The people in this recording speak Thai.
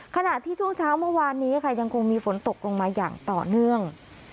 ขณะที่ช่วงเช้าเมื่อวานนี้ค่ะยังคงมีฝนตกลงมาอย่างต่อเนื่อง